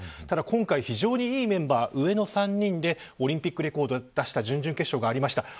ただ今回、非常にいいメンバー上の３人でオリンピックレコード出した順で決勝がありました。